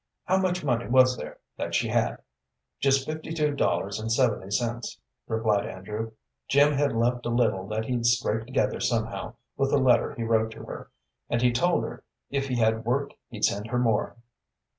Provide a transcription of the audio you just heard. How much money was there that she had?" "Just fifty two dollars and seventy cents," replied Andrew. "Jim had left a little that he'd scraped together somehow, with the letter he wrote to her, and he told her if he had work he'd send her more."